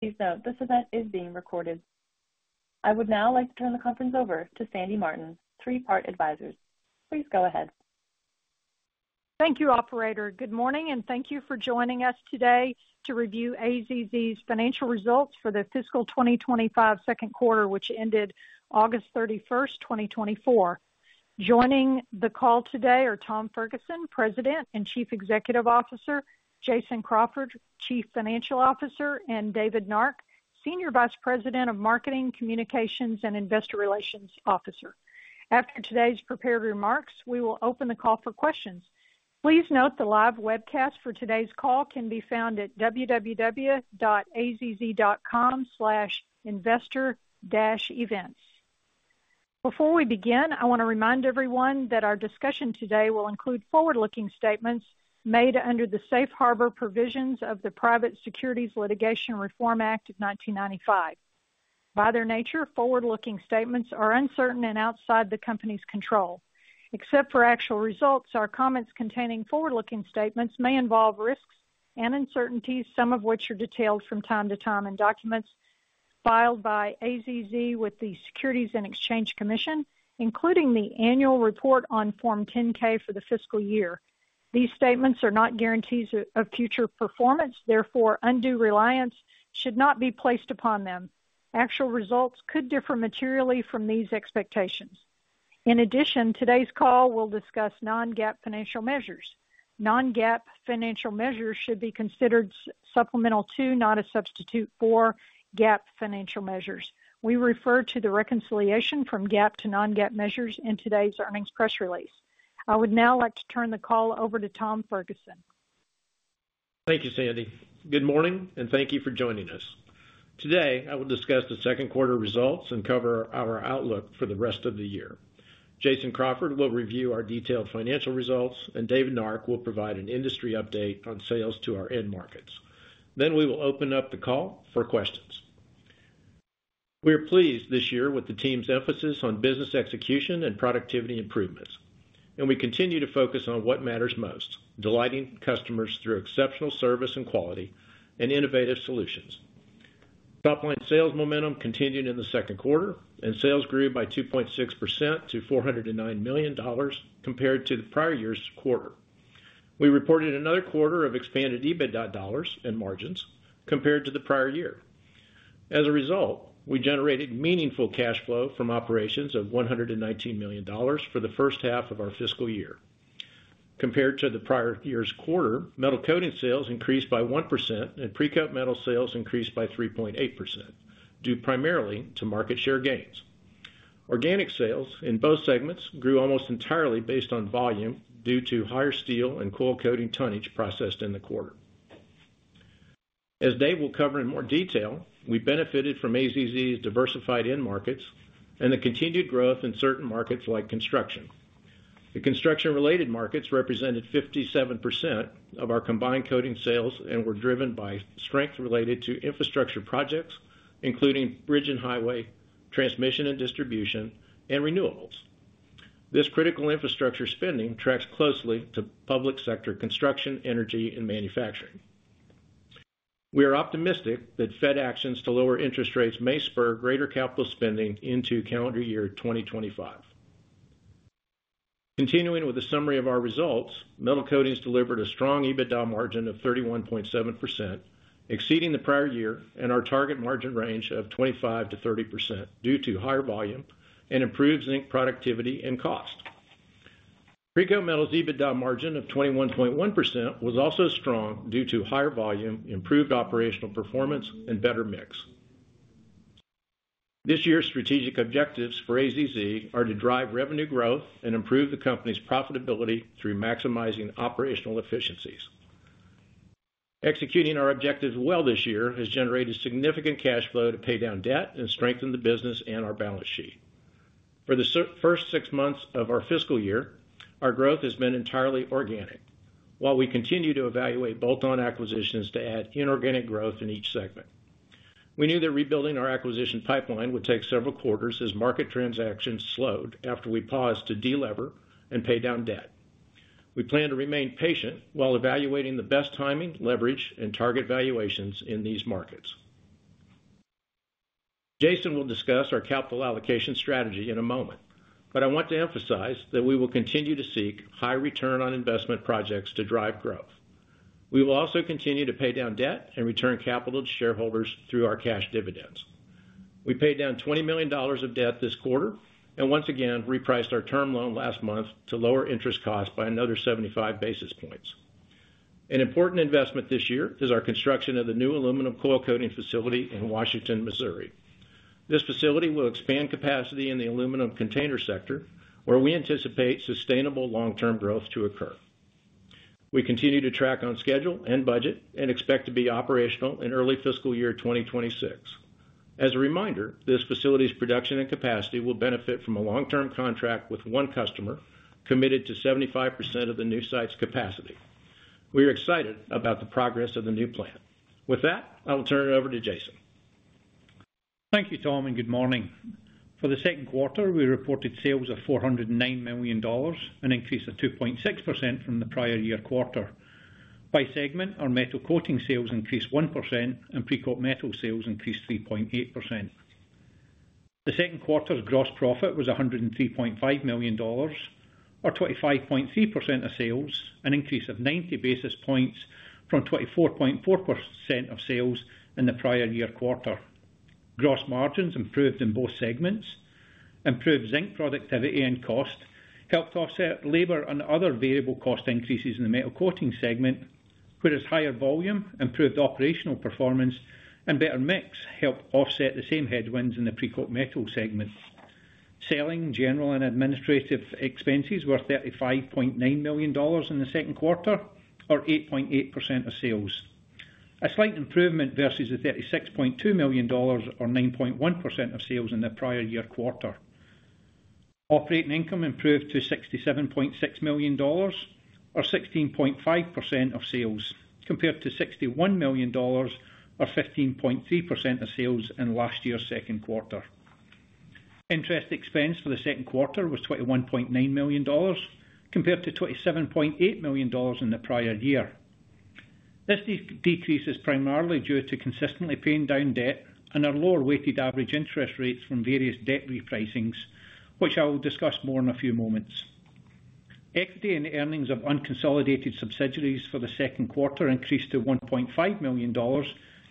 Please note, this event is being recorded. I would now like to turn the conference over to Sandy Martin, Three Part Advisors. Please go ahead. Thank you, Operator. Good morning, and thank you for joining us today to review AZZ's financial results for the fiscal 2025 second quarter, which ended August 31st, 2024. Joining the call today are Tom Ferguson, President and Chief Executive Officer; Jason Crawford, Chief Financial Officer; and David Nark, Senior Vice President of Marketing, Communications, and Investor Relations Officer. After today's prepared remarks, we will open the call for questions. Please note the live webcast for today's call can be found at www.azz.com/investor-events. Before we begin, I want to remind everyone that our discussion today will include forward-looking statements made under the Safe Harbor Provisions of the Private Securities Litigation Reform Act of 1995. By their nature, forward-looking statements are uncertain and outside the company's control. Except for actual results, our comments containing forward-looking statements may involve risks and uncertainties, some of which are detailed from time to time in documents filed by AZZ with the Securities and Exchange Commission, including the annual report on Form 10-K for the fiscal year. These statements are not guarantees of future performance. Therefore, undue reliance should not be placed upon them. Actual results could differ materially from these expectations. In addition, today's call will discuss non-GAAP financial measures. Non-GAAP financial measures should be considered supplemental to, not a substitute for, GAAP financial measures. We refer to the reconciliation from GAAP to non-GAAP measures in today's earnings press release. I would now like to turn the call over to Tom Ferguson. Thank you, Sandy. Good morning, and thank you for joining us. Today, I will discuss the second quarter results and cover our outlook for the rest of the year. Jason Crawford will review our detailed financial results, and David Nark will provide an industry update on sales to our end markets. Then we will open up the call for questions. We are pleased this year with the team's emphasis on business execution and productivity improvements, and we continue to focus on what matters most: delighting customers through exceptional service and quality and innovative solutions. Top-line sales momentum continued in the second quarter, and sales grew by 2.6% to $409 million compared to the prior year's quarter. We reported another quarter of expanded EBITDA dollars and margins compared to the prior year. As a result, we generated meaningful cash flow from operations of $119 million for the first half of our fiscal year. Compared to the prior year's quarter, Metal Coating sales increased by 1%, and Precoat Metal sales increased by 3.8% due primarily to market share gains. Organic sales in both segments grew almost entirely based on volume due to higher steel and coil coating tonnage processed in the quarter. As Dave will cover in more detail, we benefited from AZZ's diversified end markets and the continued growth in certain markets like construction. The construction-related markets represented 57% of our combined coating sales and were driven by strength related to infrastructure projects, including bridge and highway, transmission and distribution, and renewables. This critical infrastructure spending tracks closely to public sector construction, energy, and manufacturing. We are optimistic that Fed actions to lower interest rates may spur greater capital spending into calendar year 2025. Continuing with a summary of our results, Metal Coatings delivered a strong EBITDA margin of 31.7%, exceeding the prior year and our target margin range of 25%-30% due to higher volume and improved zinc productivity and cost. Precoat Metals' EBITDA margin of 21.1% was also strong due to higher volume, improved operational performance, and better mix. This year's strategic objectives for AZZ are to drive revenue growth and improve the company's profitability through maximizing operational efficiencies. Executing our objectives well this year has generated significant cash flow to pay down debt and strengthen the business and our balance sheet. For the first six months of our fiscal year, our growth has been entirely organic, while we continue to evaluate bolt-on acquisitions to add inorganic growth in each segment. We knew that rebuilding our acquisition pipeline would take several quarters as market transactions slowed after we paused to delever and pay down debt. We plan to remain patient while evaluating the best timing, leverage, and target valuations in these markets. Jason will discuss our capital allocation strategy in a moment, but I want to emphasize that we will continue to seek high return on investment projects to drive growth. We will also continue to pay down debt and return capital to shareholders through our cash dividends. We paid down $20 million of debt this quarter and once again repriced our term loan last month to lower interest costs by another 75 basis points. An important investment this year is our construction of the new aluminum coil coating facility in Washington, Missouri. This facility will expand capacity in the aluminum container sector, where we anticipate sustainable long-term growth to occur. We continue to track on schedule and budget and expect to be operational in early fiscal year 2026. As a reminder, this facility's production and capacity will benefit from a long-term contract with one customer committed to 75% of the new site's capacity. We are excited about the progress of the new plant. With that, I will turn it over to Jason. Thank you, Tom, and good morning. For the second quarter, we reported sales of $409 million, an increase of 2.6% from the prior year quarter. By segment, our Metal Coating sales increased 1%, and Precoat Metal sales increased 3.8%. The second quarter's gross profit was $103.5 million, or 25.3% of sales, an increase of 90 basis points from 24.4% of sales in the prior year quarter. Gross margins improved in both segments. Improved zinc productivity and cost helped offset labor and other variable cost increases in the Metal Coating segment, whereas higher volume, improved operational performance, and better mix helped offset the same headwinds in the Precoat Metal segment. Selling, general, and administrative expenses were $35.9 million in the second quarter, or 8.8% of sales. A slight improvement versus the $36.2 million, or 9.1% of sales, in the prior year quarter. Operating income improved to $67.6 million, or 16.5% of sales, compared to $61 million, or 15.3% of sales in last year's second quarter. Interest expense for the second quarter was $21.9 million, compared to $27.8 million in the prior year. This decrease is primarily due to consistently paying down debt and our lower weighted average interest rates from various debt repricings, which I will discuss more in a few moments. Equity and earnings of unconsolidated subsidiaries for the second quarter increased to $1.5 million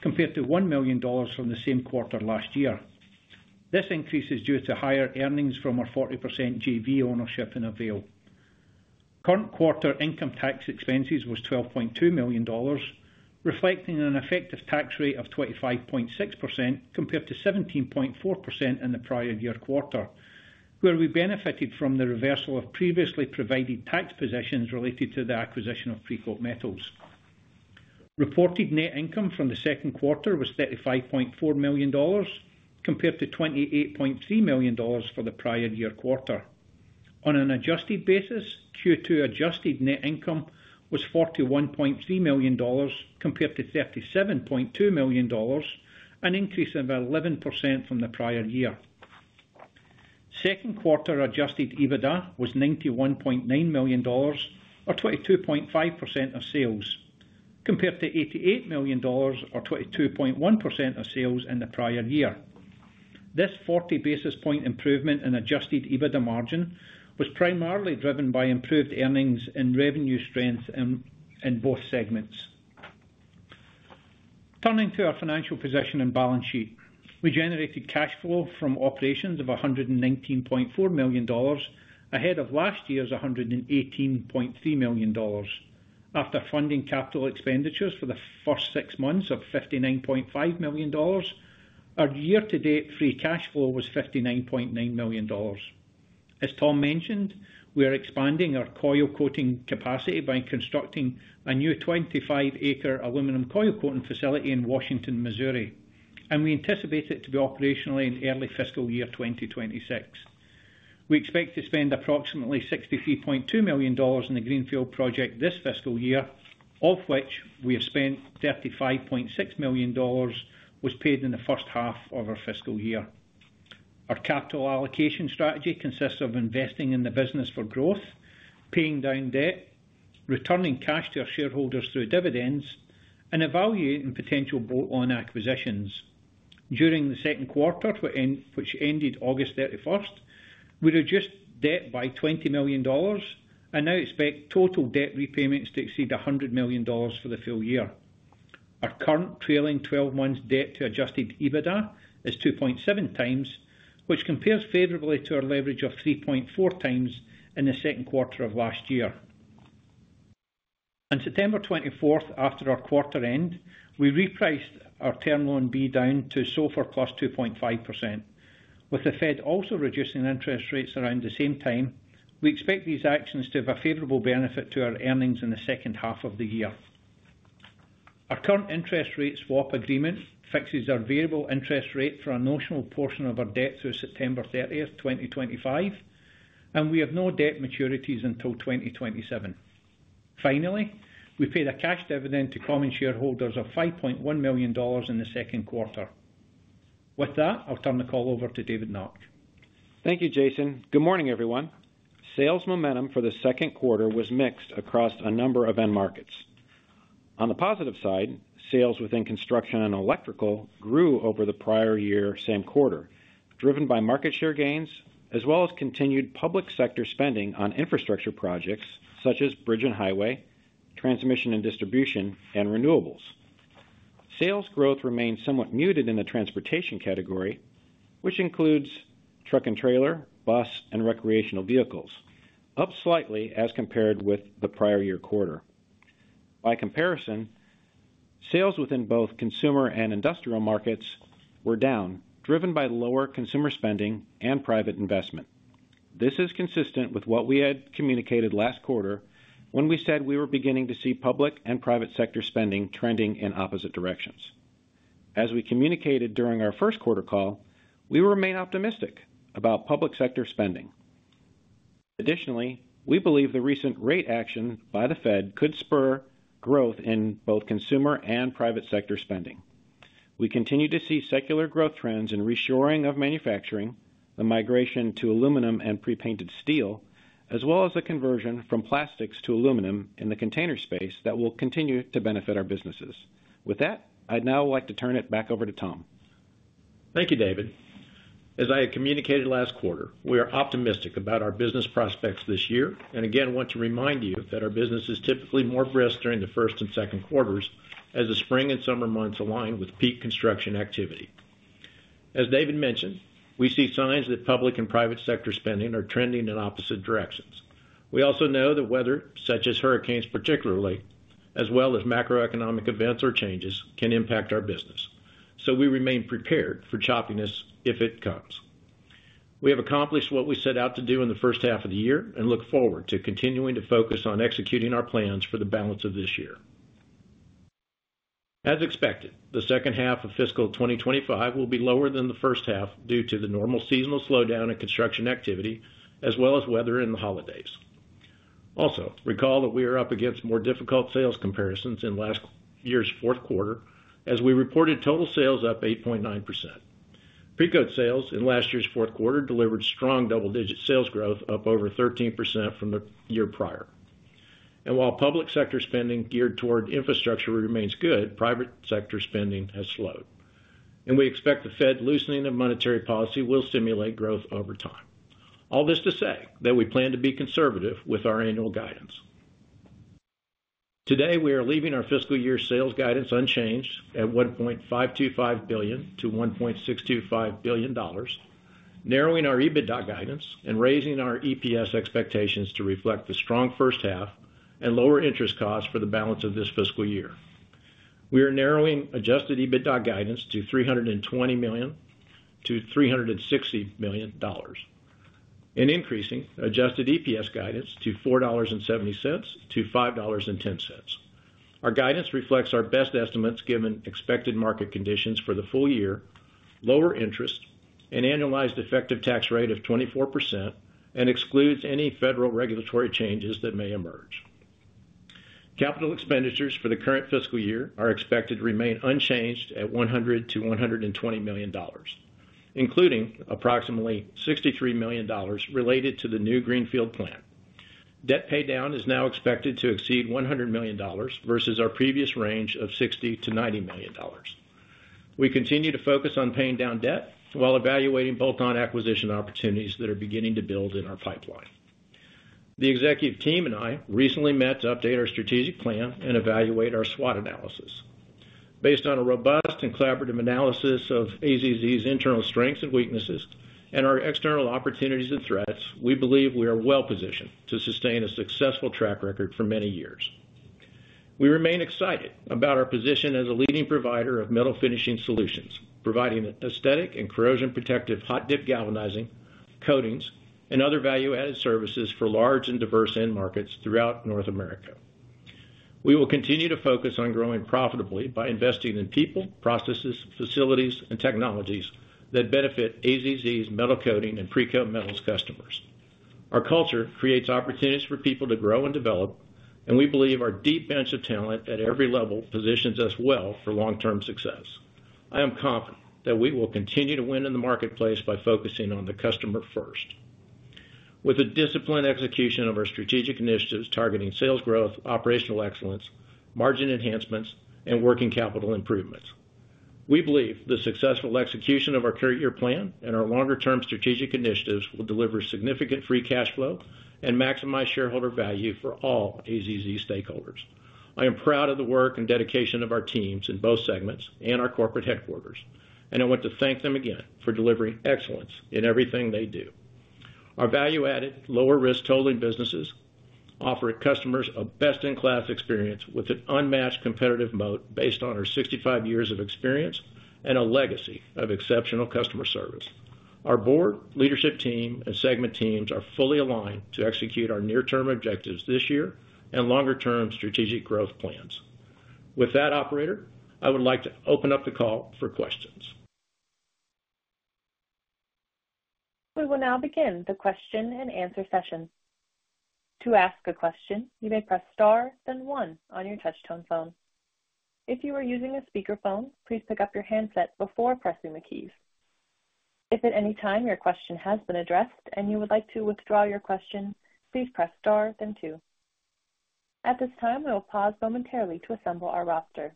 compared to $1 million from the same quarter last year. This increase is due to higher earnings from our 40% JV ownership in Avail. Current quarter income tax expenses was $12.2 million, reflecting an effective tax rate of 25.6% compared to 17.4% in the prior year quarter, where we benefited from the reversal of previously provided tax positions related to the acquisition of Precoat Metals. Reported net income from the second quarter was $35.4 million compared to $28.3 million for the prior year quarter. On an adjusted basis, Q2 adjusted net income was $41.3 million compared to $37.2 million, an increase of 11% from the prior year. Second quarter adjusted EBITDA was $91.9 million, or 22.5% of sales, compared to $88 million, or 22.1% of sales in the prior year. This 40 basis point improvement in adjusted EBITDA margin was primarily driven by improved earnings and revenue strength in both segments. Turning to our financial position and balance sheet, we generated cash flow from operations of $119.4 million ahead of last year's $118.3 million. After funding capital expenditures for the first six months of $59.5 million, our year-to-date free cash flow was $59.9 million. As Tom mentioned, we are expanding our coil coating capacity by constructing a new 25-acre aluminum coil coating facility in Washington, Missouri, and we anticipate it to be operational in early fiscal year 2026. We expect to spend approximately $63.2 million in the greenfield project this fiscal year, of which we have spent $35.6 million paid in the first half of our fiscal year. Our capital allocation strategy consists of investing in the business for growth, paying down debt, returning cash to our shareholders through dividends, and evaluating potential bolt-on acquisitions. During the second quarter, which ended August 31st, we reduced debt by $20 million and now expect total debt repayments to exceed $100 million for the full year. Our current trailing 12 months' debt to Adjusted EBITDA is 2.7 times, which compares favorably to our leverage of 3.4 times in the second quarter of last year. On September 24th, after our quarter end, we repriced our Term Loan B down to SOFR plus 2.5%. With the Fed also reducing interest rates around the same time, we expect these actions to have a favorable benefit to our earnings in the second half of the year. Our current interest rate swap agreement fixes our variable interest rate for a notional portion of our debt through September 30th, 2025, and we have no debt maturities until 2027. Finally, we paid a cash dividend to common shareholders of $5.1 million in the second quarter. With that, I'll turn the call over to David Nark. Thank you, Jason. Good morning, everyone. Sales momentum for the second quarter was mixed across a number of end markets. On the positive side, sales within construction and electrical grew over the prior year same quarter, driven by market share gains as well as continued public sector spending on infrastructure projects such as bridge and highway, transmission and distribution, and renewables. Sales growth remained somewhat muted in the transportation category, which includes truck and trailer, bus, and recreational vehicles, up slightly as compared with the prior year quarter. By comparison, sales within both consumer and industrial markets were down, driven by lower consumer spending and private investment. This is consistent with what we had communicated last quarter when we said we were beginning to see public and private sector spending trending in opposite directions. As we communicated during our first quarter call, we remained optimistic about public sector spending. Additionally, we believe the recent rate action by the Fed could spur growth in both consumer and private sector spending. We continue to see secular growth trends in reshoring of manufacturing, the migration to aluminum and prepainted steel, as well as a conversion from plastics to aluminum in the container space that will continue to benefit our businesses. With that, I'd now like to turn it back over to Tom. Thank you, David. As I had communicated last quarter, we are optimistic about our business prospects this year and again want to remind you that our business is typically more brisk during the first and second quarters as the spring and summer months align with peak construction activity. As David mentioned, we see signs that public and private sector spending are trending in opposite directions. We also know that weather, such as hurricanes particularly, as well as macroeconomic events or changes, can impact our business, so we remain prepared for choppiness if it comes. We have accomplished what we set out to do in the first half of the year and look forward to continuing to focus on executing our plans for the balance of this year. As expected, the second half of fiscal 2025 will be lower than the first half due to the normal seasonal slowdown in construction activity as well as weather and the holidays. Also, recall that we are up against more difficult sales comparisons in last year's fourth quarter as we reported total sales up 8.9%. Precoat sales in last year's fourth quarter delivered strong double-digit sales growth up over 13% from the year prior. And while public sector spending geared toward infrastructure remains good, private sector spending has slowed. And we expect the Fed loosening of monetary policy will stimulate growth over time. All this to say that we plan to be conservative with our annual guidance. Today, we are leaving our fiscal year sales guidance unchanged at $1.525-$1.625 billion, narrowing our EBITDA guidance and raising our EPS expectations to reflect the strong first half and lower interest costs for the balance of this fiscal year. We are narrowing adjusted EBITDA guidance to $320-$360 million and increasing adjusted EPS guidance to $4.70-$5.10. Our guidance reflects our best estimates given expected market conditions for the full year, lower interest, an annualized effective tax rate of 24%, and excludes any federal regulatory changes that may emerge. Capital expenditures for the current fiscal year are expected to remain unchanged at $100-$120 million, including approximately $63 million related to the new greenfield plant. Debt pay down is now expected to exceed $100 million versus our previous range of $60-$90 million. We continue to focus on paying down debt while evaluating bolt-on acquisition opportunities that are beginning to build in our pipeline. The executive team and I recently met to update our strategic plan and evaluate our SWOT analysis. Based on a robust and collaborative analysis of AZZ's internal strengths and weaknesses and our external opportunities and threats, we believe we are well positioned to sustain a successful track record for many years. We remain excited about our position as a leading provider of metal finishing solutions, providing aesthetic and corrosion-protective hot-dip galvanizing coatings and other value-added services for large and diverse end markets throughout North America. We will continue to focus on growing profitably by investing in people, processes, facilities, and technologies that benefit AZZ's Metal Coating and Precoat Metals customers. Our culture creates opportunities for people to grow and develop, and we believe our deep bench of talent at every level positions us well for long-term success. I am confident that we will continue to win in the marketplace by focusing on the customer first. With a disciplined execution of our strategic initiatives targeting sales growth, operational excellence, margin enhancements, and working capital improvements, we believe the successful execution of our current year plan and our longer-term strategic initiatives will deliver significant free cash flow and maximize shareholder value for all AZZ stakeholders. I am proud of the work and dedication of our teams in both segments and our corporate headquarters, and I want to thank them again for delivering excellence in everything they do. Our value-added, lower-risk tolling businesses offer customers a best-in-class experience with an unmatched competitive moat based on our 65 years of experience and a legacy of exceptional customer service. Our board, leadership team, and segment teams are fully aligned to execute our near-term objectives this year and longer-term strategic growth plans. With that, operator, I would like to open up the call for questions. We will now begin the question and answer session. To ask a question, you may press star, then one on your touch-tone phone. If you are using a speakerphone, please pick up your handset before pressing the keys. If at any time your question has been addressed and you would like to withdraw your question, please press star, then two. At this time, we will pause momentarily to assemble our roster.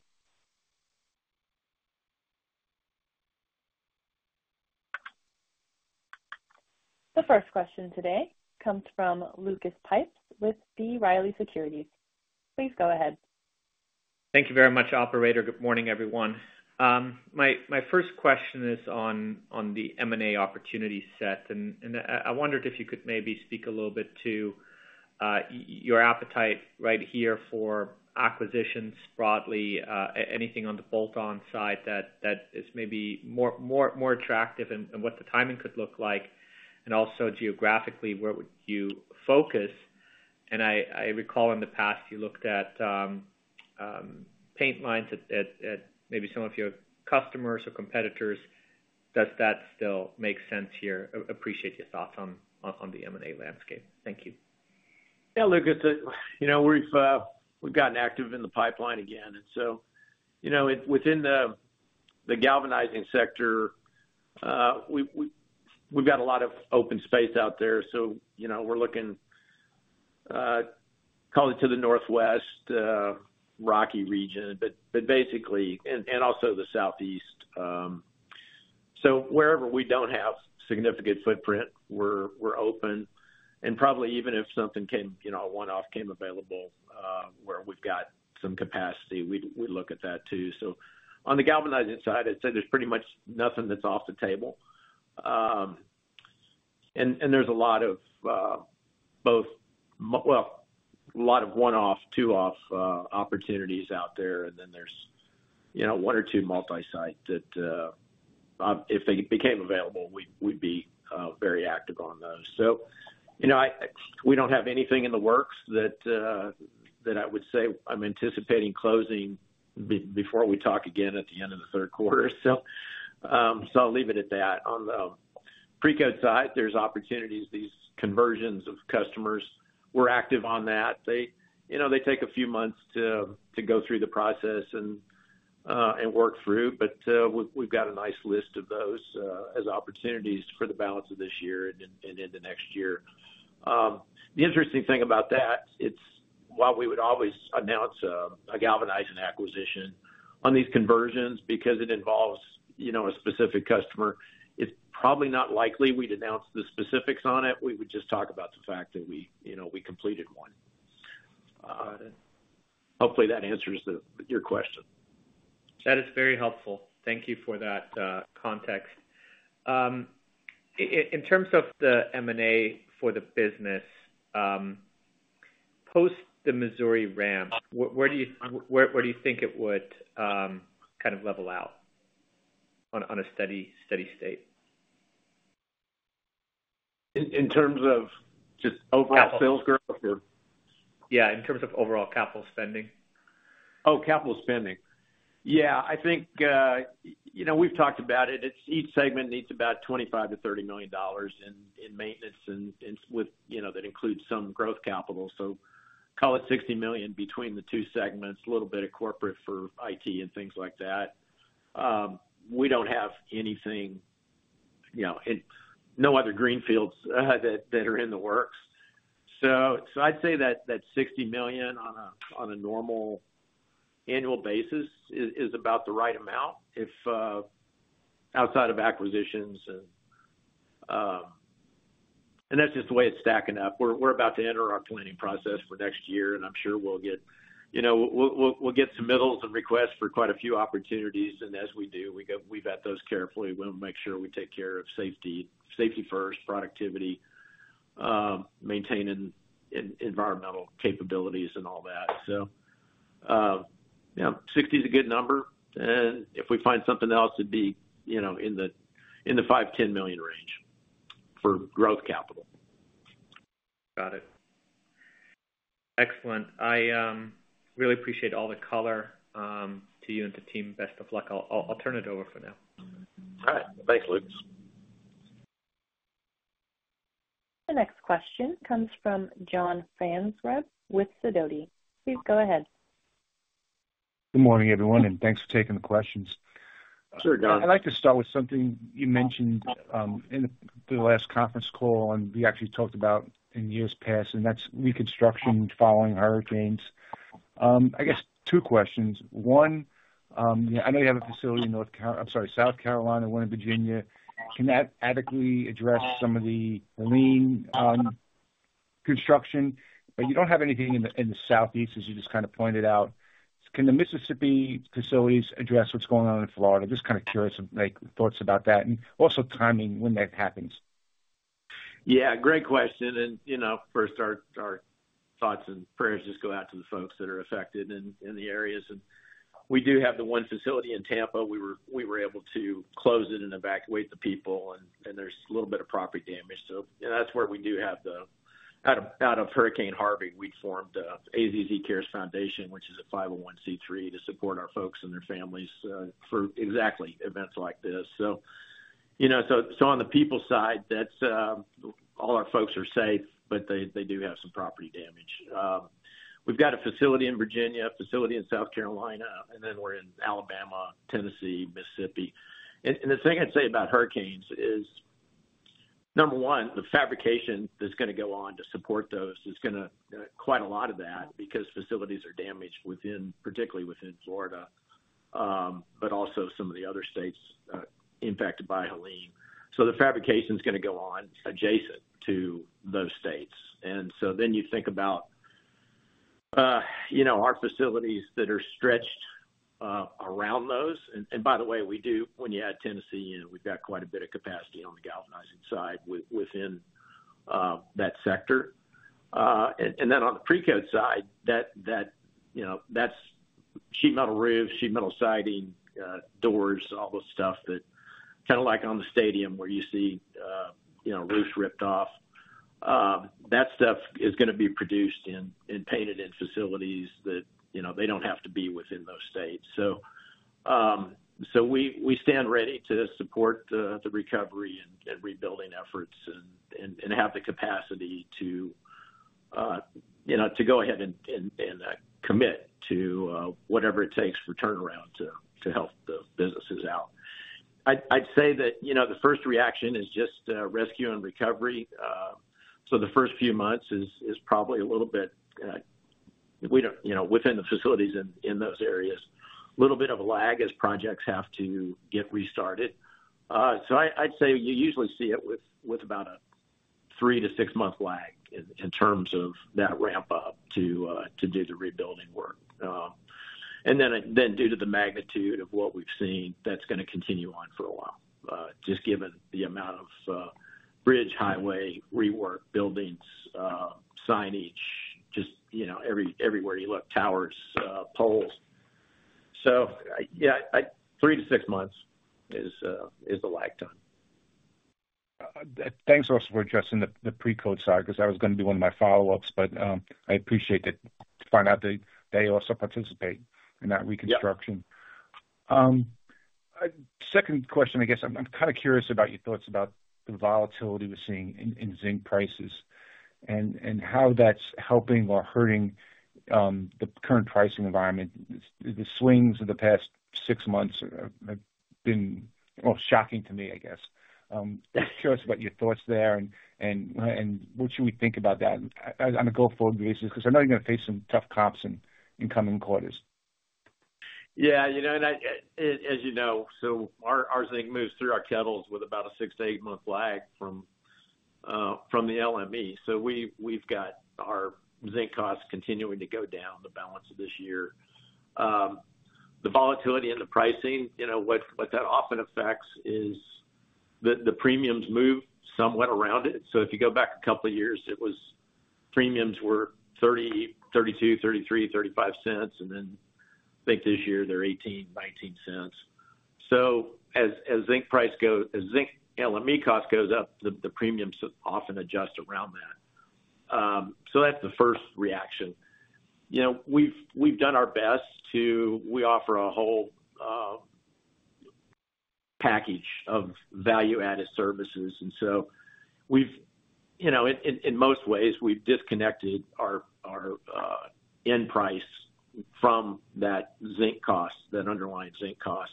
The first question today comes from Lucas Pipes with B. Riley Securities. Please go ahead. Thank you very much, operator. Good morning, everyone. My first question is on the M&A opportunity set, and I wondered if you could maybe speak a little bit to your appetite right here for acquisitions broadly, anything on the bolt-on side that is maybe more attractive and what the timing could look like, and also geographically, where would you focus? And I recall in the past you looked at paint lines at maybe some of your customers or competitors. Does that still make sense here? Appreciate your thoughts on the M&A landscape. Thank you. Yeah, Lucas, we've gotten active in the pipeline again. And so within the galvanizing sector, we've got a lot of open space out there. So we're looking probably to the northwest, Rocky region, but basically, and also the southeast. So wherever we don't have significant footprint, we're open. And probably even if something one-off came available where we've got some capacity, we'd look at that too. So on the galvanizing side, I'd say there's pretty much nothing that's off the table. And there's a lot of both, well, a lot of one-off, two-off opportunities out there. And then there's one or two multi-site that if they became available, we'd be very active on those. So we don't have anything in the works that I would say I'm anticipating closing before we talk again at the end of the third quarter. So I'll leave it at that. On the precoat side, there's opportunities, these conversions of customers. We're active on that. They take a few months to go through the process and work through, but we've got a nice list of those as opportunities for the balance of this year and into next year. The interesting thing about that, while we would always announce a galvanizing acquisition on these conversions because it involves a specific customer, it's probably not likely we'd announce the specifics on it. We would just talk about the fact that we completed one. Hopefully, that answers your question. That is very helpful. Thank you for that context. In terms of the M&A for the business post the Missouri ramp, where do you think it would kind of level out on a steady state? In terms of just overall sales growth or? Yeah, in terms of overall capital spending. Oh, capital spending. Yeah, I think we've talked about it. Each segment needs about $25-$30 million in maintenance that includes some growth capital. So call it $60 million between the two segments, a little bit of corporate for IT and things like that. We don't have anything, no other greenfields that are in the works. So I'd say that $60 million on a normal annual basis is about the right amount outside of acquisitions. And that's just the way it's stacking up. We're about to enter our planning process for next year, and I'm sure we'll get submittals and requests for quite a few opportunities. And as we do, we vet those carefully. We'll make sure we take care of safety first, productivity, maintaining environmental capabilities, and all that. So $60 is a good number. If we find something else, it'd be in the $5-$10 million range for growth capital. Got it. Excellent. I really appreciate all the color from you and the team. Best of luck. I'll turn it over for now. All right. Thanks, Lucas. The next question comes from John Franzreb with Sidoti. Please go ahead. Good morning, everyone, and thanks for taking the questions. Sure, John. I'd like to start with something you mentioned in the last conference call, and we actually talked about in years past, and that's reconstruction following hurricanes. I guess two questions. One, I know you have a facility in North Carolina, I'm sorry, South Carolina, one in Virginia. Can that adequately address some of the lane construction? But you don't have anything in the southeast, as you just kind of pointed out. Can the Mississippi facilities address what's going on in Florida? Just kind of curious of thoughts about that and also timing when that happens. Yeah, great question. First, our thoughts and prayers just go out to the folks that are affected in the areas. We do have the one facility in Tampa. We were able to close it and evacuate the people, and there's a little bit of property damage. That's where we do have the out of Hurricane Harvey, we formed AZZ Cares Foundation, which is a 501(c)(3) to support our folks and their families for exactly events like this. On the people side, all our folks are safe, but they do have some property damage. We've got a facility in Virginia, a facility in South Carolina, and then we're in Alabama, Tennessee, Mississippi. And the thing I'd say about hurricanes is, number one, the fabrication that's going to go on to support those is going to, quite a lot of that because facilities are damaged, particularly within Florida, but also some of the other states impacted by Helene. So the fabrication is going to go on adjacent to those states. And so then you think about our facilities that are stretched around those. And by the way, when you add Tennessee, we've got quite a bit of capacity on the galvanizing side within that sector. And then on the precoat side, that's sheet metal roofs, sheet metal siding, doors, all those stuff that kind of like on the stadium where you see roofs ripped off. That stuff is going to be produced and painted in facilities that they don't have to be within those states. So we stand ready to support the recovery and rebuilding efforts and have the capacity to go ahead and commit to whatever it takes for turnaround to help the businesses out. I'd say that the first reaction is just rescue and recovery. So the first few months is probably a little bit within the facilities in those areas, a little bit of a lag as projects have to get restarted. So I'd say you usually see it with about a three- to six-month lag in terms of that ramp up to do the rebuilding work. And then due to the magnitude of what we've seen, that's going to continue on for a while, just given the amount of bridge, highway, rework, buildings, signage, just everywhere you look, towers, poles. So yeah, three- to six months is the lag time. Thanks also for addressing the precoat side because that was going to be one of my follow-ups, but I appreciate that to find out that they also participate in that reconstruction. Second question, I guess I'm kind of curious about your thoughts about the volatility we're seeing in zinc prices and how that's helping or hurting the current pricing environment. The swings in the past six months have been shocking to me, I guess. Curious about your thoughts there and what should we think about that on a go-forward basis because I know you're going to face some tough comps in coming quarters. Yeah. And as you know, so our zinc moves through our kettles with about a six- to eight-month lag from the LME. So we've got our zinc costs continuing to go down the balance of this year. The volatility in the pricing, what that often affects is the premiums move somewhat around it. So if you go back a couple of years, premiums were $0.32, $0.33, $0.35, and then I think this year they're $0.18, $0.19. So as zinc price goes, as zinc LME cost goes up, the premiums often adjust around that. So that's the first reaction. We've done our best to, we offer a whole package of value-added services. And so in most ways, we've disconnected our end price from that zinc cost, that underlying zinc cost.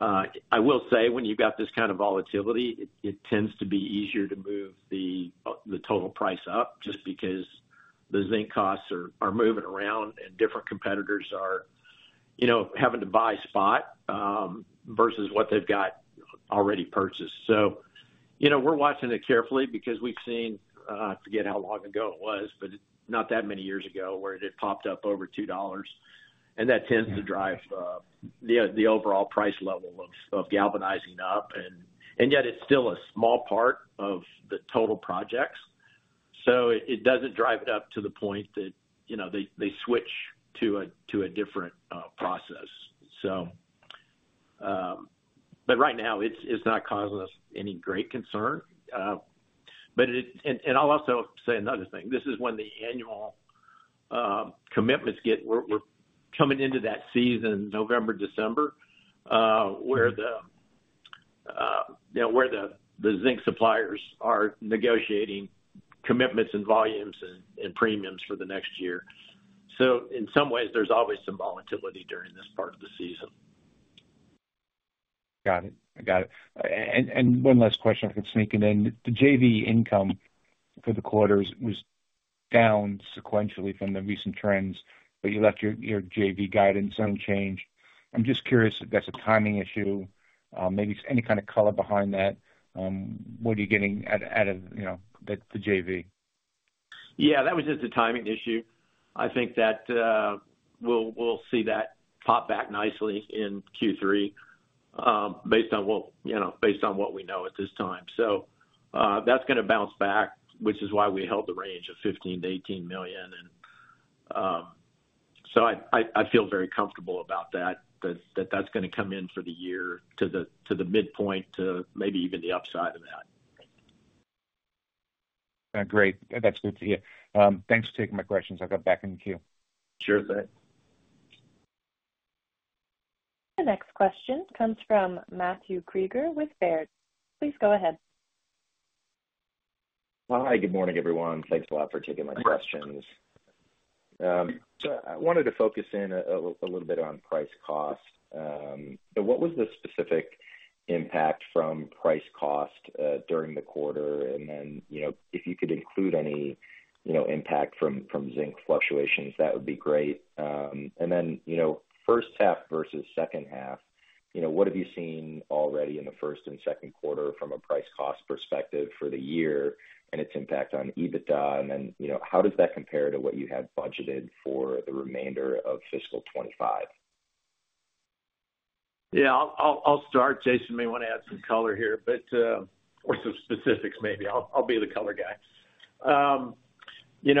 I will say when you've got this kind of volatility, it tends to be easier to move the total price up just because the zinc costs are moving around and different competitors are having to buy spot versus what they've got already purchased, so we're watching it carefully because we've seen, I forget how long ago it was, but not that many years ago where it had popped up over $2, and that tends to drive the overall price level of galvanizing up, and yet it's still a small part of the total projects, so it doesn't drive it up to the point that they switch to a different process, but right now, it's not causing us any great concern, and I'll also say another thing. This is when the annual commitments get, we're coming into that season, November, December, where the zinc suppliers are negotiating commitments and volumes and premiums for the next year. So in some ways, there's always some volatility during this part of the season. Got it. I got it. And one last question, if I can sneak in. The JV income for the quarters was down sequentially from the recent trends, but you left your JV guidance unchanged. I'm just curious if that's a timing issue, maybe any kind of color behind that. What are you getting out of the JV? Yeah, that was just a timing issue. I think that we'll see that pop back nicely in Q3 based on what we know at this time. So that's going to bounce back, which is why we held the range of $15-$18 million. And so I feel very comfortable about that, that that's going to come in for the year to the midpoint to maybe even the upside of that. Great. That's good to hear. Thanks for taking my questions. I'll get back in the queue. Sure thing. The next question comes from Matthew Krieger with Baird. Please go ahead. Hi, good morning, everyone. Thanks a lot for taking my questions. So I wanted to focus in a little bit on price cost. So what was the specific impact from price cost during the quarter? And then if you could include any impact from zinc fluctuations, that would be great. And then first half versus second half, what have you seen already in the first and second quarter from a price cost perspective for the year and its impact on EBITDA? And then how does that compare to what you had budgeted for the remainder of fiscal 2025? Yeah, I'll start. Jason, maybe you want to add some color here, or some specifics maybe. I'll be the color guy. When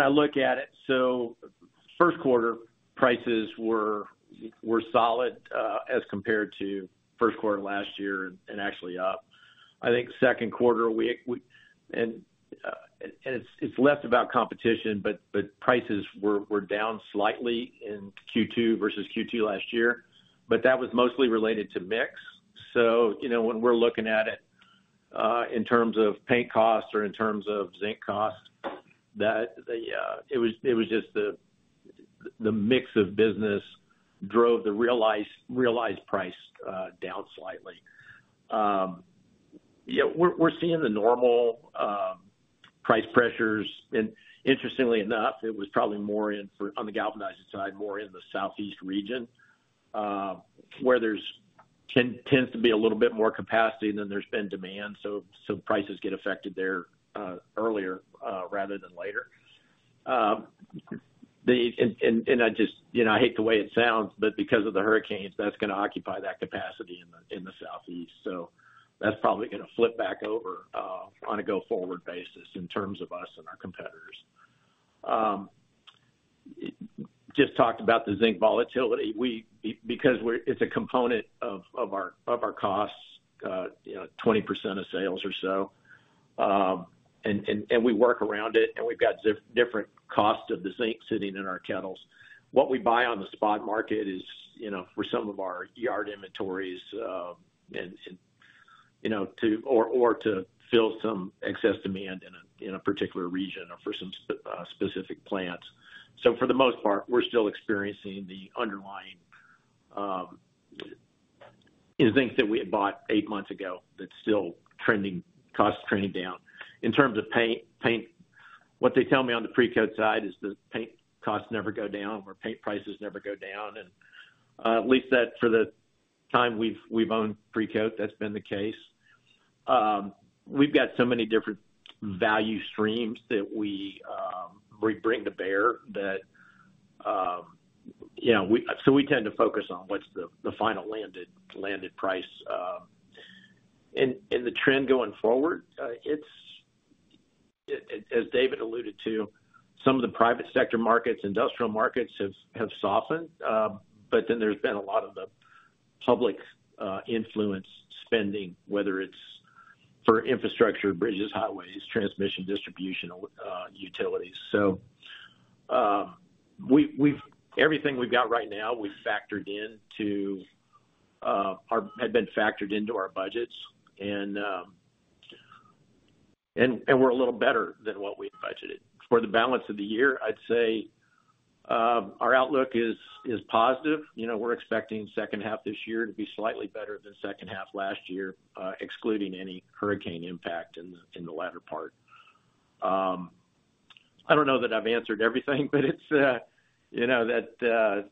I look at it, so first quarter prices were solid as compared to first quarter last year and actually up. I think second quarter, and it's less about competition, but prices were down slightly in Q2 versus Q2 last year. But that was mostly related to mix. So when we're looking at it in terms of paint cost or in terms of zinc cost, it was just the mix of business drove the realized price down slightly. We're seeing the normal price pressures. And interestingly enough, it was probably more on the galvanizing side, more in the southeast region where there tends to be a little bit more capacity than there's been demand. So prices get affected there earlier rather than later. I hate the way it sounds, but because of the hurricanes, that's going to occupy that capacity in the Southeast. That's probably going to flip back over on a go-forward basis in terms of us and our competitors. Just talked about the zinc volatility because it's a component of our costs, 20% of sales or so. We work around it, and we've got different costs of the zinc sitting in our kettles. What we buy on the spot market is for some of our yard inventories or to fill some excess demand in a particular region or for some specific plants. For the most part, we're still experiencing the underlying zinc that we had bought eight months ago that's still costs trending down. In terms of paint, what they tell me on the Precoat side is the paint costs never go down or paint prices never go down. And at least for the time we've owned Precoat, that's been the case. We've got so many different value streams that we bring to bear that, so we tend to focus on what's the final landed price. And the trend going forward, as David alluded to, some of the private sector markets, industrial markets have softened, but then there's been a lot of the public infrastructure spending, whether it's for infrastructure, bridges, highways, transmission, distribution, utilities. So everything we've got right now, we've factored into our budgets, and we're a little better than what we budgeted. For the balance of the year, I'd say our outlook is positive. We're expecting second half this year to be slightly better than second half last year, excluding any hurricane impact in the latter part. I don't know that I've answered everything, but it's that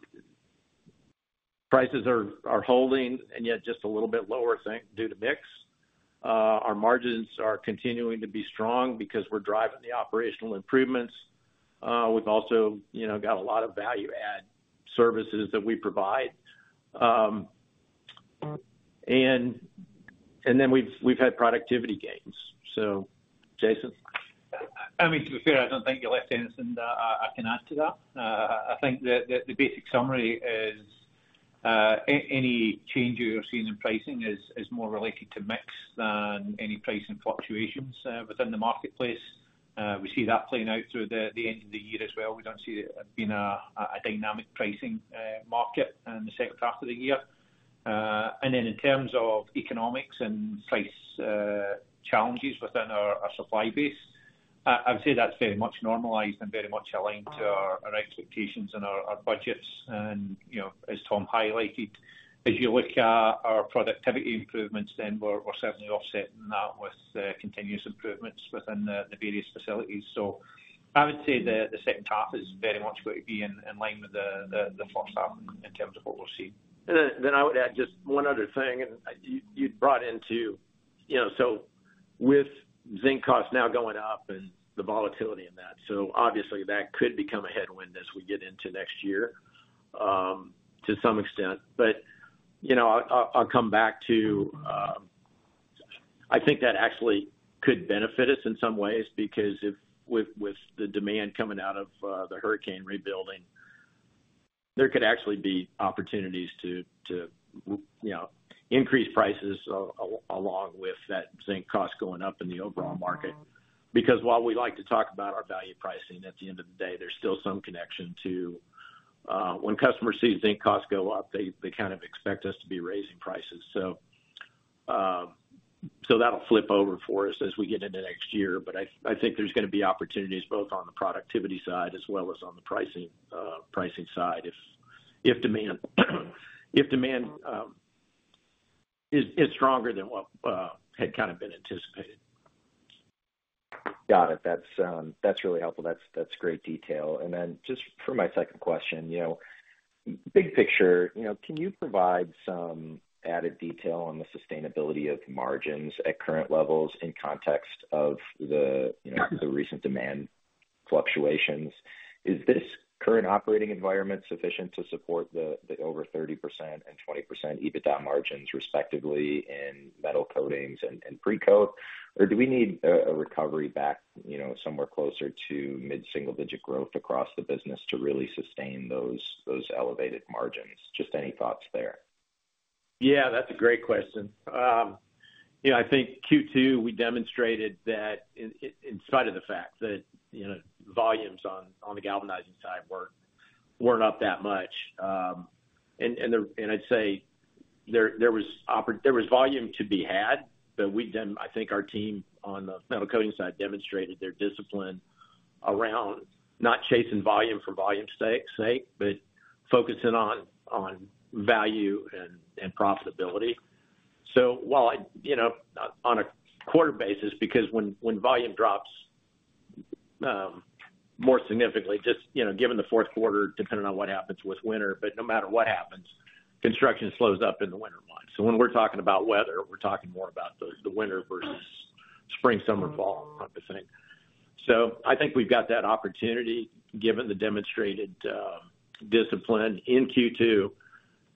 prices are holding and yet just a little bit lower due to mix. Our margins are continuing to be strong because we're driving the operational improvements. We've also got a lot of value-add services that we provide. And then we've had productivity gains. So, Jason? I mean, to be fair, I don't think you're left hanging and I can add to that. I think that the basic summary is any change you're seeing in pricing is more related to mix than any pricing fluctuations within the marketplace. We see that playing out through the end of the year as well. We don't see it being a dynamic pricing market in the second half of the year. And then in terms of economics and price challenges within our supply base, I'd say that's very much normalized and very much aligned to our expectations and our budgets. And as Tom highlighted, as you look at our productivity improvements, then we're certainly offsetting that with continuous improvements within the various facilities. So I would say the second half is very much going to be in line with the first half in terms of what we're seeing. Then I would add just one other thing. And you brought it up so with zinc costs now going up and the volatility in that, so obviously that could become a headwind as we get into next year to some extent. But I'll come back to, I think, that actually could benefit us in some ways because with the demand coming out of the hurricane rebuilding, there could actually be opportunities to increase prices along with that zinc cost going up in the overall market. Because while we like to talk about our value pricing, at the end of the day, there's still some connection to when customers see zinc costs go up, they kind of expect us to be raising prices. So that'll flip over for us as we get into next year. But I think there's going to be opportunities both on the productivity side as well as on the pricing side if demand is stronger than what had kind of been anticipated. Got it. That's really helpful. That's great detail, and then just for my second question, big picture, can you provide some added detail on the sustainability of margins at current levels in context of the recent demand fluctuations? Is this current operating environment sufficient to support the over 30% and 20% EBITDA margins respectively in Metal Coatings and precoat? Or do we need a recovery back somewhere closer to mid-single-digit growth across the business to really sustain those elevated margins? Just any thoughts there? Yeah, that's a great question. I think Q2, we demonstrated that in spite of the fact that volumes on the galvanizing side weren't up that much, and I'd say there was volume to be had, but I think our team on the Metal Coating side demonstrated their discipline around not chasing volume for volume's sake, but focusing on value and profitability, so while on a quarter basis, because when volume drops more significantly, just given the fourth quarter, depending on what happens with winter, but no matter what happens, construction slows up in the winter months, so when we're talking about weather, we're talking more about the winter versus spring, summer, fall type of thing, so I think we've got that opportunity given the demonstrated discipline in Q2.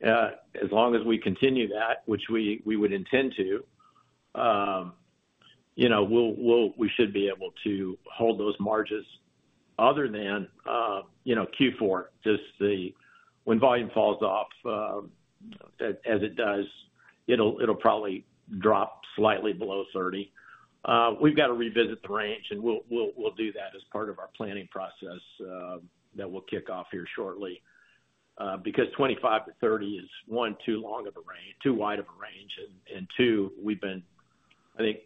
As long as we continue that, which we would intend to, we should be able to hold those margins other than Q4. Just when volume falls off as it does, it'll probably drop slightly below 30. We've got to revisit the range, and we'll do that as part of our planning process that we'll kick off here shortly. Because 25 to 30 is one, too long of a range, too wide of a range, and two, we've been, I think,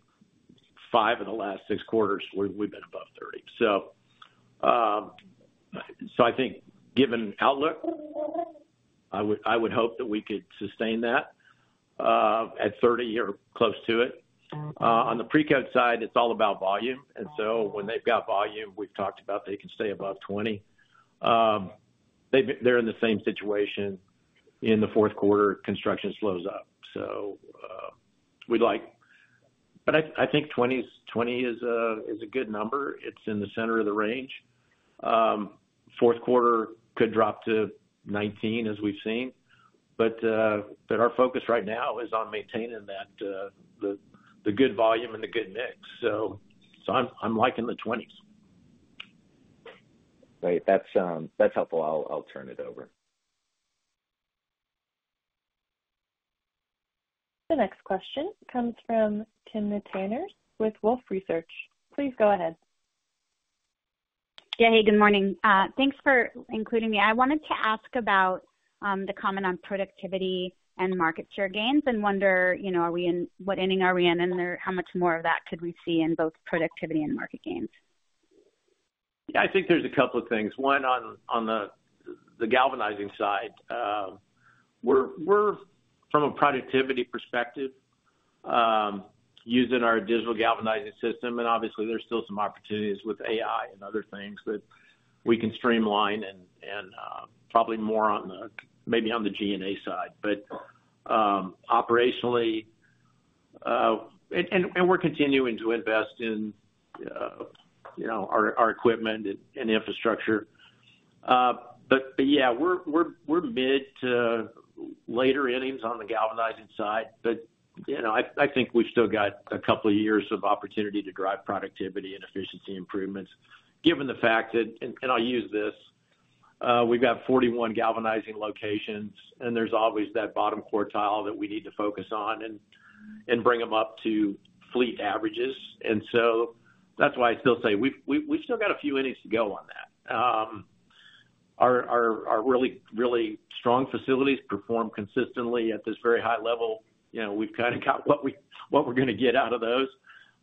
five of the last six quarters, we've been above 30. So I think given outlook, I would hope that we could sustain that at 30 or close to it. On the Precoat side, it's all about volume. And so when they've got volume, we've talked about they can stay above 20. They're in the same situation in the fourth quarter. Construction slows up. So we'd like, but I think 20 is a good number. It's in the center of the range. Fourth quarter could drop to 19 as we've seen. But our focus right now is on maintaining the good volume and the good mix. So I'm liking the 20s. Great. That's helpful. I'll turn it over. The next question comes from Timna Tanners with Wolfe Research. Please go ahead. Yeah. Hey, good morning. Thanks for including me. I wanted to ask about the comment on productivity and market share gains and wonder, what inning are we in, and how much more of that could we see in both productivity and market gains? Yeah, I think there's a couple of things. One on the galvanizing side. We're, from a productivity perspective, using our Digital Galvanizing System. And obviously, there's still some opportunities with AI and other things that we can streamline and probably more on the maybe on the G&A side. But operationally, and we're continuing to invest in our equipment and infrastructure. But yeah, we're mid to later innings on the galvanizing side. But I think we've still got a couple of years of opportunity to drive productivity and efficiency improvements given the fact that, and I'll use this, we've got 41 galvanizing locations, and there's always that bottom quartile that we need to focus on and bring them up to fleet averages. And so that's why I still say we've still got a few innings to go on that. Our really, really strong facilities perform consistently at this very high level. We've kind of got what we're going to get out of those,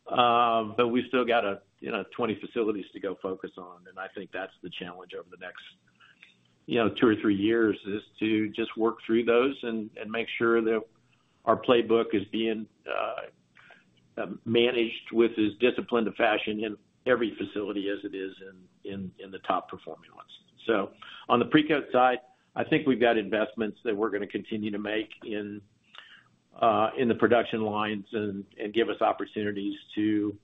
but we've still got 20 facilities to go focus on. I think that's the challenge over the next two or three years: to just work through those and make sure that our playbook is being managed with discipline to fashion in every facility as it is in the top-performing ones, so on the Precoat side, I think we've got investments that we're going to continue to make in the production lines and give us opportunities to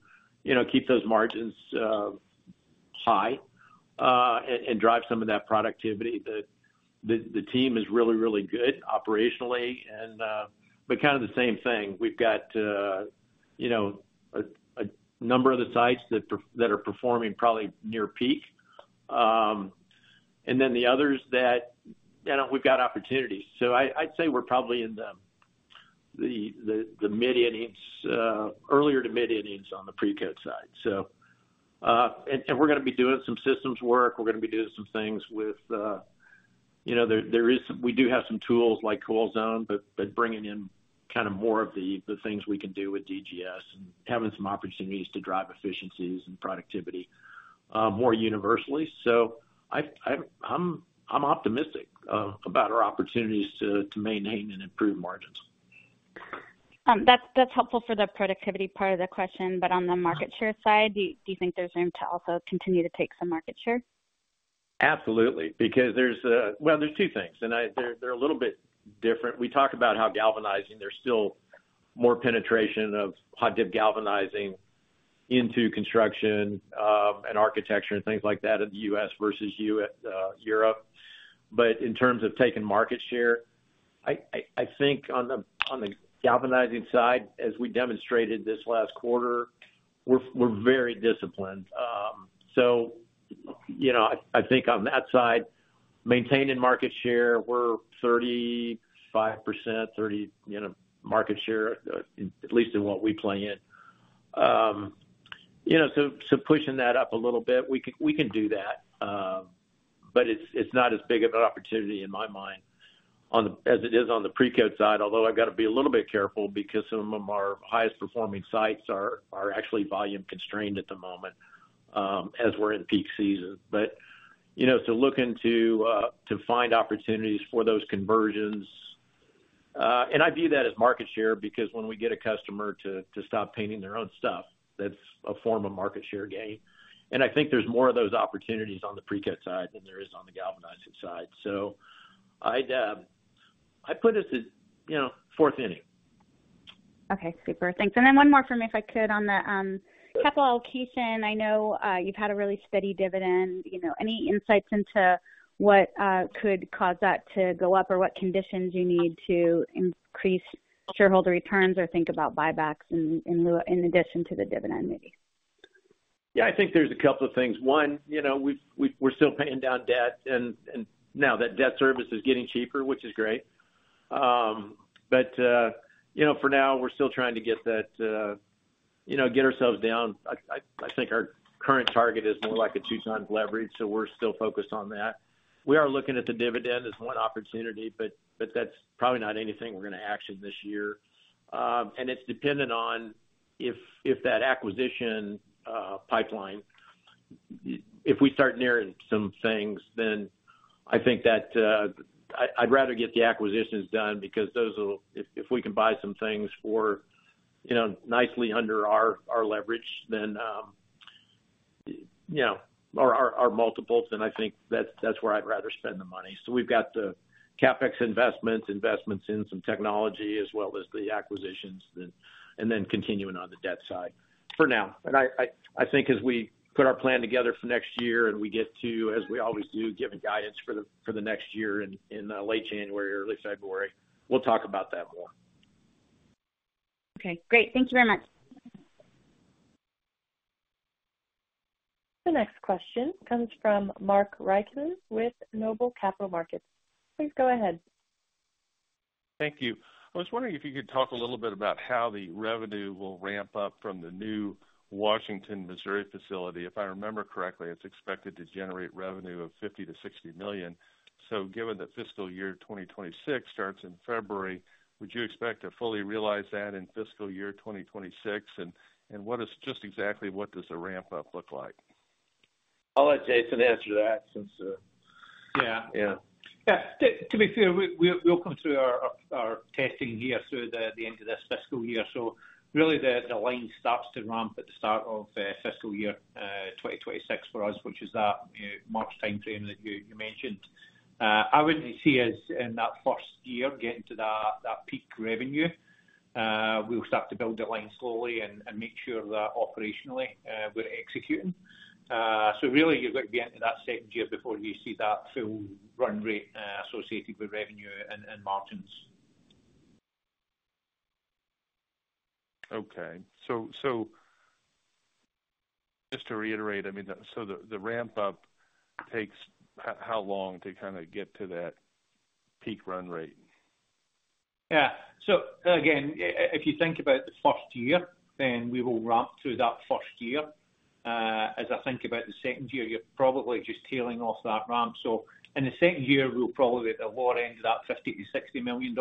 keep those margins high and drive some of that productivity. The team is really, really good operationally, but kind of the same thing. We've got a number of the sites that are performing probably near peak, and then the others that we've got opportunities, so I'd say we're probably in the mid-innings, earlier to mid-innings on the Precoat side. We're going to be doing some systems work. We're going to be doing some things with we do have some tools like CoilZone, but bringing in kind of more of the things we can do with DGS and having some opportunities to drive efficiencies and productivity more universally. I'm optimistic about our opportunities to maintain and improve margins. That's helpful for the productivity part of the question. But on the market share side, do you think there's room to also continue to take some market share? Absolutely. Well, there's two things, and they're a little bit different. We talk about how galvanizing, there's still more penetration of hot-dip galvanizing into construction and architecture and things like that in the U.S. versus Europe, but in terms of taking market share, I think on the galvanizing side, as we demonstrated this last quarter, we're very disciplined, so I think on that side, maintaining market share, we're 35%, 30 market share, at least in what we play in, so pushing that up a little bit, we can do that, but it's not as big of an opportunity in my mind as it is on the precoat side, although I've got to be a little bit careful because some of our highest performing sites are actually volume constrained at the moment as we're in peak season, but to look into to find opportunities for those conversions. And I view that as market share because when we get a customer to stop painting their own stuff, that's a form of market share gain. And I think there's more of those opportunities on the precoat side than there is on the galvanizing side. So I put this as fourth inning. Okay. Super. Thanks. And then one more from me if I could on the capital allocation. I know you've had a really steady dividend. Any insights into what could cause that to go up or what conditions you need to increase shareholder returns or think about buybacks in addition to the dividend maybe? Yeah, I think there's a couple of things. One, we're still paying down debt. And now that debt service is getting cheaper, which is great. But for now, we're still trying to get ourselves down. I think our current target is more like a two-time leverage. So we're still focused on that. We are looking at the dividend as one opportunity, but that's probably not anything we're going to action this year. And it's dependent on if that acquisition pipeline, if we start nearing some things, then I think that I'd rather get the acquisitions done because if we can buy some things for nicely under our leverage then or our multiples, then I think that's where I'd rather spend the money. So we've got the CapEx investments, investments in some technology as well as the acquisitions, and then continuing on the debt side for now. I think as we put our plan together for next year and we get to, as we always do, giving guidance for the next year in late January, early February, we'll talk about that more. Okay. Great. Thank you very much. The next question comes from Mark Reichman with Noble Capital Markets. Please go ahead. Thank you. I was wondering if you could talk a little bit about how the revenue will ramp up from the new Washington, Missouri facility. If I remember correctly, it's expected to generate revenue of $50-$60 million. So given that fiscal year 2026 starts in February, would you expect to fully realize that in fiscal year 2026? And just exactly what does the ramp-up look like? I'll let Jason answer that since. Yeah. To be fair, we'll come through our testing here through the end of this fiscal year. So really, the line starts to ramp at the start of fiscal year 2026 for us, which is that March timeframe that you mentioned. I wouldn't see us in that first year getting to that peak revenue. We'll start to build the line slowly and make sure that operationally we're executing. So really, you've got to be into that second year before you see that full run rate associated with revenue and margins. Okay. So just to reiterate, I mean, so the ramp-up takes how long to kind of get to that peak run rate? Yeah. So again, if you think about the first year, then we will ramp through that first year. As I think about the second year, you're probably just tailing off that ramp. So in the second year, we'll probably be at the lower end of that $50-$60 million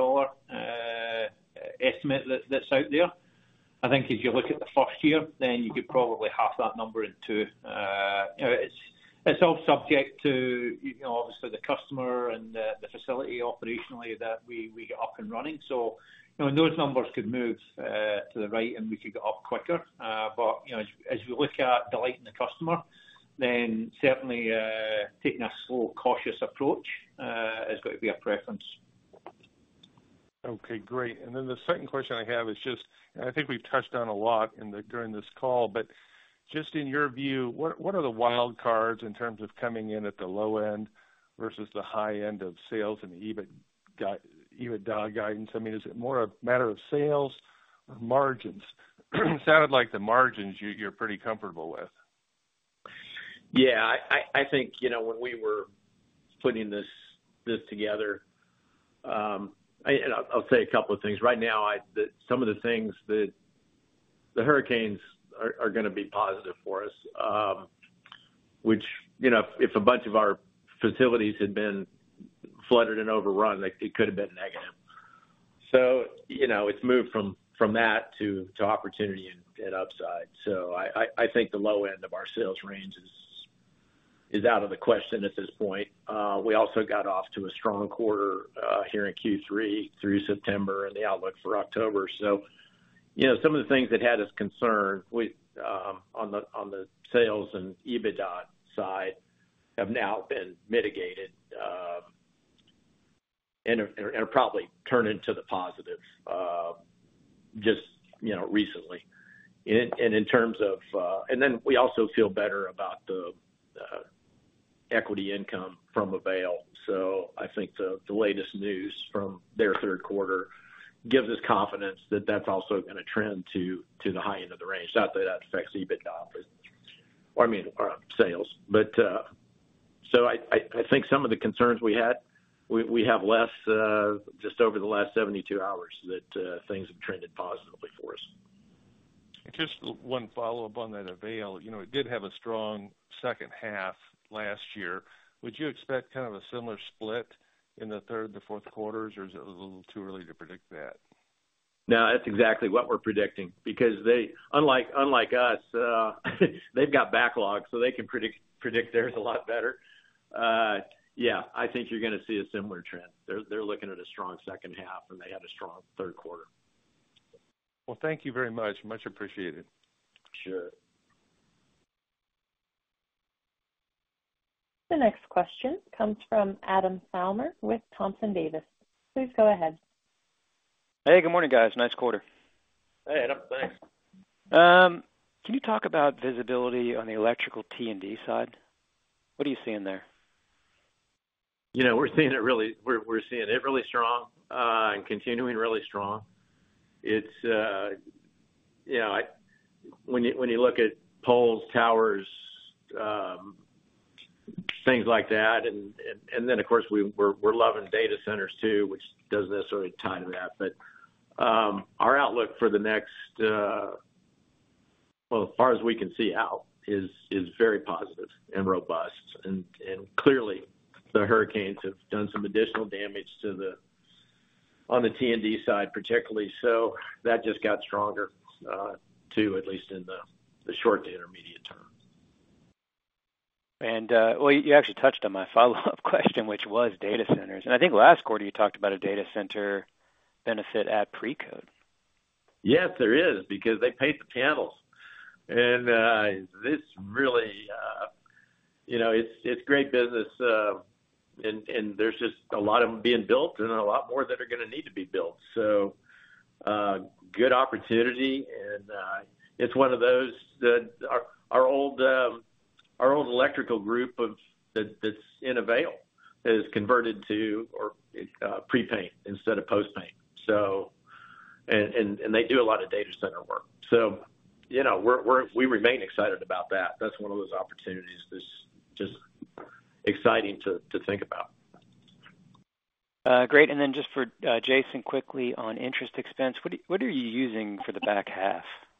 estimate that's out there. I think if you look at the first year, then you could probably half that number in two. It's all subject to, obviously, the customer and the facility operationally that we get up and running. So those numbers could move to the right and we could get up quicker. But as we look at delighting the customer, then certainly taking a slow, cautious approach has got to be our preference. Okay. Great. And then the second question I have is just, and I think we've touched on a lot during this call, but just in your view, what are the wild cards in terms of coming in at the low end versus the high end of sales and the EBITDA guidance? I mean, is it more a matter of sales or margins? It sounded like the margins you're pretty comfortable with. Yeah. I think when we were putting this together, and I'll say a couple of things. Right now, some of the things that the hurricanes are going to be positive for us, which if a bunch of our facilities had been flooded and overrun, it could have been negative. So it's moved from that to opportunity and upside. So I think the low end of our sales range is out of the question at this point. We also got off to a strong quarter here in Q3 through September and the outlook for October. So some of the things that had us concerned on the sales and EBITDA side have now been mitigated and are probably turning to the positive just recently. And in terms of, and then we also feel better about the equity income from Avail. So I think the latest news from their third quarter gives us confidence that that's also going to trend to the high end of the range. Not that that affects EBITDA or, I mean, sales. But so I think some of the concerns we had, we have less just over the last 72 hours that things have trended positively for us. Just one follow-up on that, Avail. It did have a strong second half last year. Would you expect kind of a similar split in the third to fourth quarters, or is it a little too early to predict that? No, that's exactly what we're predicting because unlike us, they've got backlog, so they can predict theirs a lot better. Yeah, I think you're going to see a similar trend. They're looking at a strong second half, and they had a strong third quarter. Thank you very much. Much appreciated. Sure. The next question comes from Adam Thalhimer with Thompson Davis & Co. Please go ahead. Hey, good morning, guys. Nice quarter. Hey, Adam. Thanks. Can you talk about visibility on the electrical T&D side? What are you seeing there? We're seeing it really strong and continuing really strong. When you look at poles, towers, things like that, and then, of course, we're loving data centers too, which doesn't necessarily tie to that, but our outlook for the next, well, as far as we can see out, is very positive and robust, and clearly, the hurricanes have done some additional damage on the T&D side, particularly, so that just got stronger too, at least in the short to intermediate term. You actually touched on my follow-up question, which was data centers. I think last quarter, you talked about a data center benefit at Precoat. Yes, there is because they paid the panels. And this really it's great business, and there's just a lot of them being built and a lot more that are going to need to be built. So good opportunity. And it's one of those that our old electrical group that's in Avail is converted to our prepaint instead of postpaint. And they do a lot of data center work. So we remain excited about that. That's one of those opportunities that's just exciting to think about. Great. And then just for Jason quickly on interest expense, what are you using for the back half? I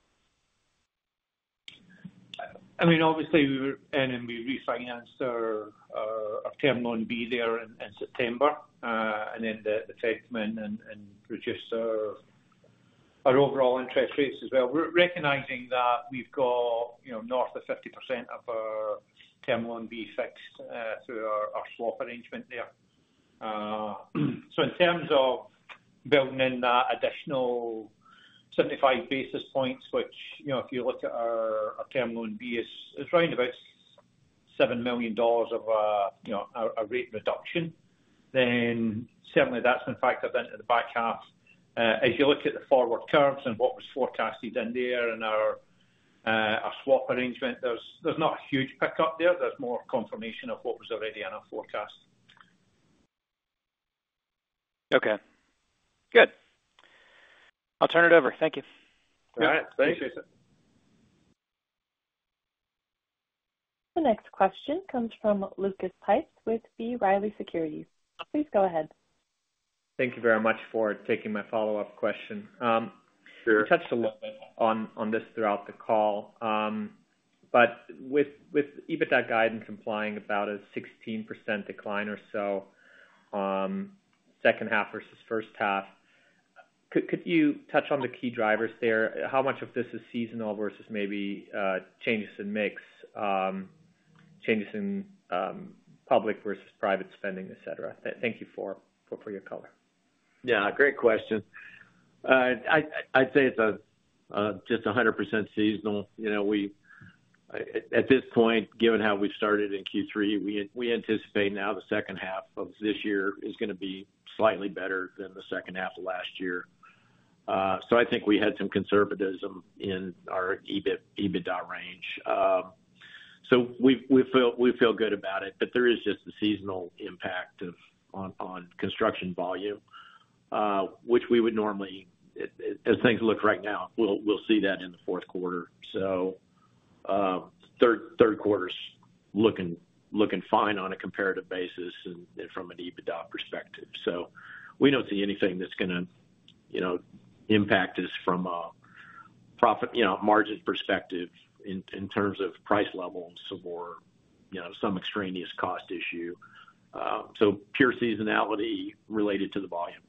mean, obviously, and then we refinanced our Term Loan B there in September, and then the Fed and the registrar affect overall interest rates as well. We're recognizing that we've got north of 50% of our Term Loan B fixed through our swap arrangement there, so in terms of building in that additional 75 basis points, which if you look at our Term Loan B, it's round about $7 million of a rate reduction, then certainly, that's been factored into the back half. As you look at the forward curves and what was forecasted in there and our swap arrangement, there's not a huge pickup there. There's more confirmation of what was already in our forecast. Okay. Good. I'll turn it over. Thank you. All right. Thanks, Jason. The next question comes from Lucas Pipes with B. Riley Securities. Please go ahead. Thank you very much for taking my follow-up question. We touched a little bit on this throughout the call. But with EBITDA guidance implying about a 16% decline or so, second half versus first half, could you touch on the key drivers there? How much of this is seasonal versus maybe changes in mix, changes in public versus private spending, etc.? Thank you for your color. Yeah. Great question. I'd say it's just 100% seasonal. At this point, given how we started in Q3, we anticipate now the second half of this year is going to be slightly better than the second half of last year. So I think we had some conservatism in our EBITDA range. So we feel good about it, but there is just a seasonal impact on construction volume, which we would normally, as things look right now, we'll see that in the fourth quarter. So third quarter's looking fine on a comparative basis and from an EBITDA perspective. So we don't see anything that's going to impact us from a profit margin perspective in terms of price levels or some extraneous cost issue. So pure seasonality related to the volume.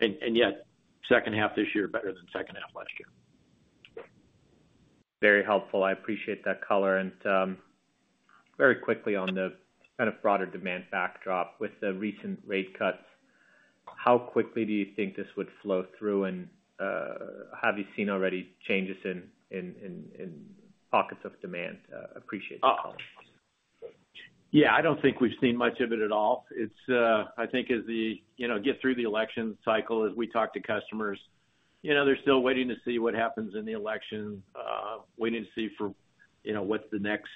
And yet, second half this year better than second half last year. Very helpful. I appreciate that color. And very quickly on the kind of broader demand backdrop with the recent rate cuts, how quickly do you think this would flow through? And have you seen already changes in pockets of demand? Appreciate your comments. Yeah. I don't think we've seen much of it at all. I think as we get through the election cycle, as we talk to customers, they're still waiting to see what happens in the election, waiting to see what's the next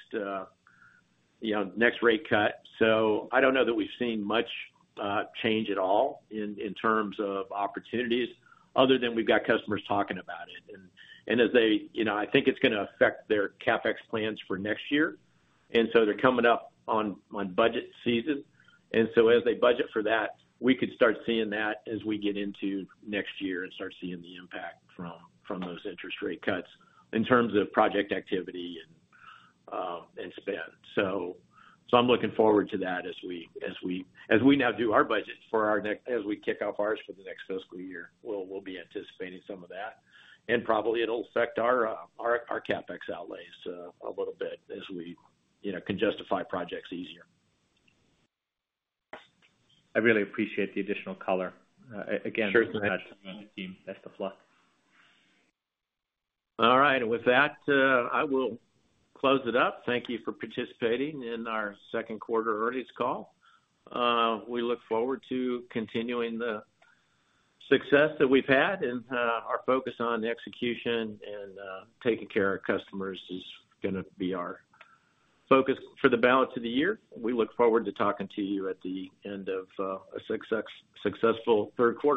rate cut. So I don't know that we've seen much change at all in terms of opportunities other than we've got customers talking about it. And as they I think it's going to affect their CapEx plans for next year. And so they're coming up on budget season. And so as they budget for that, we could start seeing that as we get into next year and start seeing the impact from those interest rate cuts in terms of project activity and spend. So I'm looking forward to that as we now do our budgets for our next as we kick off ours for the next fiscal year. We'll be anticipating some of that. And probably it'll affect our CapEx outlays a little bit as we can justify projects easier. I really appreciate the additional color. Again, congrats to the team. That's the plus. All right. And with that, I will close it up. Thank you for participating in our second quarter earnings call. We look forward to continuing the success that we've had. And our focus on execution and taking care of customers is going to be our focus for the balance of the year. We look forward to talking to you at the end of a successful third quarter.